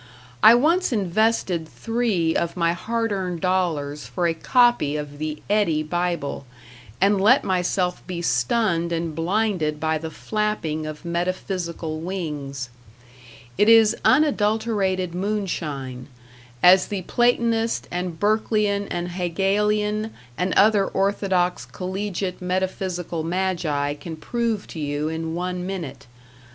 I once invested three of my hard earned dollars for a copy of the Eddy Bible, and let myself be stunned and blinded by the flapping of metaphysical wings. It is unadulterated moonshine as the Platonist and Berkeleyan and Hegelian and other orthodox collegiate metaphysical magi can prove to you in one minute.